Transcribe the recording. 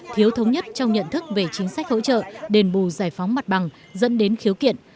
thiếu thống nhất trong nhận thức về chính sách hỗ trợ đền bù giải phóng mặt bằng dẫn đến khiếu kiện